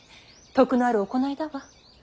徳のある行いだわ。